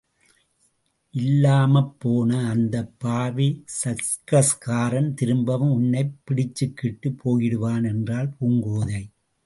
இல்லாமப் போனா அந்தப் பாவி சர்க்கஸ்காரன் திரும்பவும் உன்னைப் பிடிச்சிக்கிட்டுப் போயிடுவான்! என்றாள் பூங்கோதை.